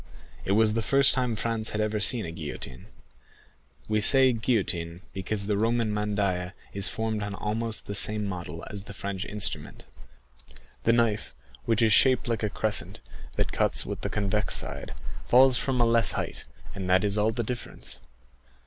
It was the first time Franz had ever seen a guillotine,—we say guillotine, because the Roman mandaïa is formed on almost the same model as the French instrument.7 The knife, which is shaped like a crescent, that cuts with the convex side, falls from a less height, and that is all the difference.